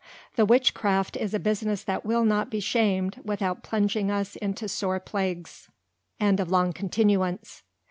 The Witchcraft is a business that will not be sham'd, without plunging us into sore Plagues, and of long continuance.